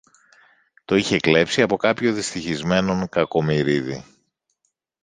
Το είχε κλέψει από κάποιο δυστυχισμένον Κακομοιρίδη